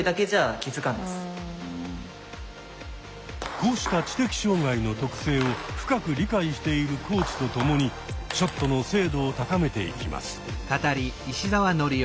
こうした知的障害の特性を深く理解しているコーチと共にショットの精度を高めていきます。